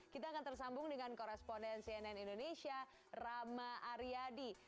kita akan tersambung dengan koresponden cnn indonesia rama aryadi